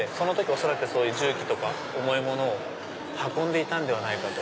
恐らく重機とか重いものを運んでいたんではないかと。